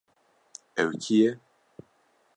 Ew kî ye?